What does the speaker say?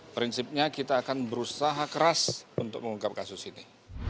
prinsipnya kita akan berusaha keras untuk mengungkap kasus ini